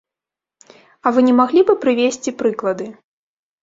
А вы не маглі бы прывесці прыклады?